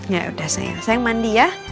yaudah sayang sayang mandi ya